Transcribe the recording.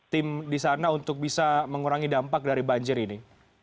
tim di sana untuk bisa mengurangi dampak dari banjir ini